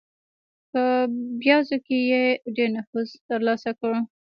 په باییزو کې یې ډېر نفوذ ترلاسه کړ.